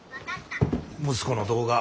息子の動画。